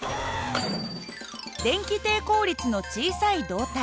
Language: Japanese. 電気抵抗率の小さい導体。